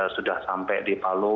sudah sampai di palu